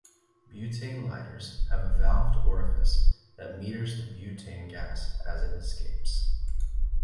Butane lighters have a valved orifice that meters the butane gas as it escapes.